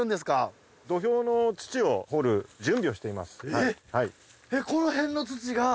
えっ！？